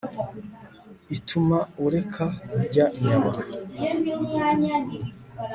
ituma ureka kurya inyama